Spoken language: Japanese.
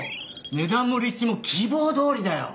値段も立地も希望どおりだよ。